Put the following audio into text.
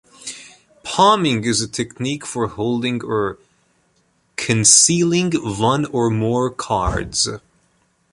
Palming is a technique for holding or concealing one or more cards.